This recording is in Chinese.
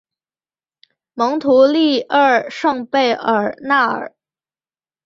蒙图利厄圣贝尔纳尔。